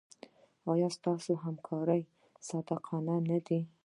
ایا ستاسو همکاران صادق نه دي؟